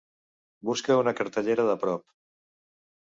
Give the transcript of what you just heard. Busca una cartellera de prop.